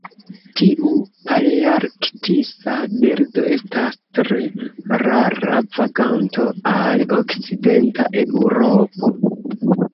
Tiu palearktisa birdo estas tre rara vaganto al okcidenta Eŭropo.